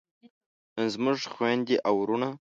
نن زموږ خویندې او وروڼه